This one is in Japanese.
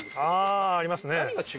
あありますね。